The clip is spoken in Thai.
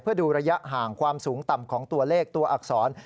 เพื่อดูระยะห่างความสูงต่ำของตัวเลขตัวอักษร